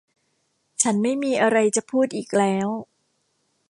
ฉันไม่มีอะไรจะพูดอีกแล้ว